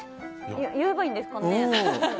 言えばいいんですかね。